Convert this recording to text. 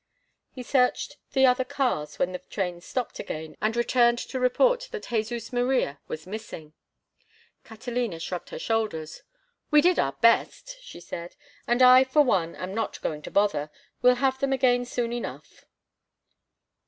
He searched the other cars when the train stopped again, and returned to report that Jesus Maria was missing. Catalina shrugged her shoulders. "We did our best," she said, "and I, for one, am not going to bother. We'll have them again soon enough."